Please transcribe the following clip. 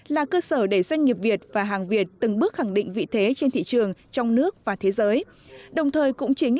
là cơ sở để doanh nghiệp việt và hàng việt từng bước khẳng định vị thế trên thị trường trong nước và thế giới cũng chính